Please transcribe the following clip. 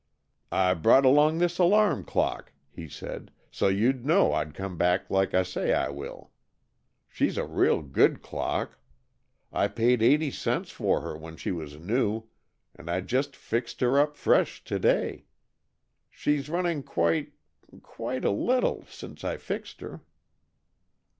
"I brought along this alarm clock," he said, "so you'd know I'd come back like I say I will. She's a real good clock. I paid eighty cents for her when she was new, and I just fixed her up fresh to day. She's running quite quite a little, since I fixed her."